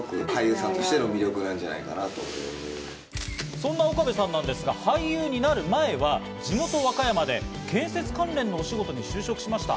そんな岡部さんなんですが、俳優になる前は地元・和歌山で建設関連のお仕事に就職しました。